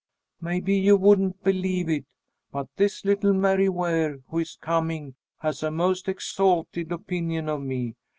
"Maybe you wouldn't believe it, but this little Mary Ware who is coming, has a most exalted opinion of me.